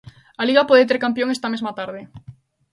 A Liga pode ter campión esta mesma tarde.